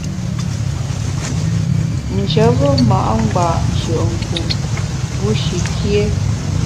Njebe ma’ ngba’ nshùe’nkun bushi kié.